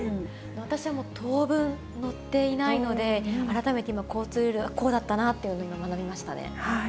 私は当分、乗っていないので、改めて今、交通ルールはこうだったなって学びましたね。